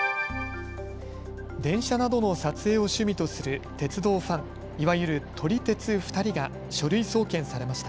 電車などの撮影を趣味とする鉄道ファン、いわゆる撮り鉄２人が書類送検されました。